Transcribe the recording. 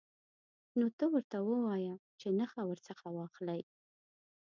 نو ته ورته ووایه چې نخښه ورڅخه واخلئ.